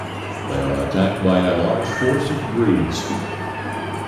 They are attacked by a large force of 'breeds.